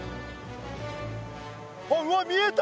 あっうわ見えた！